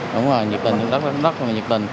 đúng rồi nhiệt tình rất là nhiệt tình